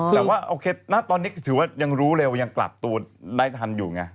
แต่ว่าโอเคณตอนนี้ถือว่ายังรู้เลยว่ายังกลับตัวได้ทันอยู่ไง